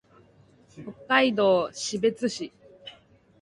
北海道士別市